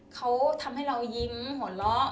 เขาทำให้เรายิ้มหัวเราะ